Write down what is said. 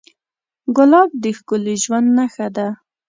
ګلاب د ښکلي ژوند نښه ده.